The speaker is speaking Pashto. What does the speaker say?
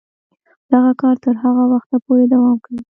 دغه کار تر هغه وخته پورې دوام کوي.